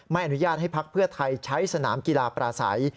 ไม่อนุญาตให้ภักดิ์เพื่อไทยใช้สนามกีฬาประสัย